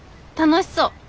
楽しそう。